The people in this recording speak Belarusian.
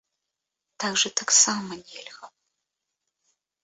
Так жа таксама нельга.